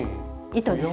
糸です。